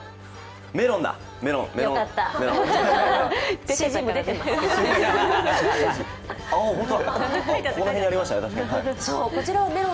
メロンだ、メロンメロン。